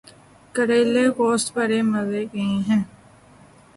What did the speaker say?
کریلے گوشت بڑے مزے کے ہیں